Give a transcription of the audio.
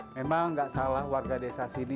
memang nggak salah warga desa sini